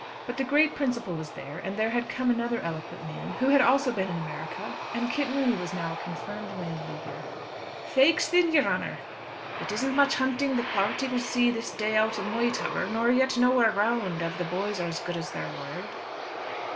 But the great principle was there, and there had come another eloquent man, who had also been in America; and Kit Mooney was now a confirmed Landleaguer. "Faix thin, yer honour, it isn't much hunting the quality will see this day out of Moytubber; nor yet nowhere round, av the boys are as good as their word."